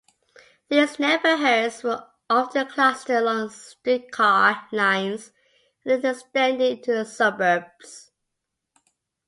These neighborhoods were often clustered along streetcar lines as they extended into the suburbs.